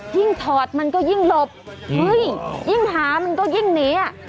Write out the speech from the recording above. ยิ่งถอดมันก็ยิ่งหลบยิ่งหามันก็ยิ่งเนี๊ยะ